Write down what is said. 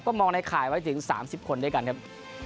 มองในข่ายไว้ถึง๓๐คนด้วยกันครับ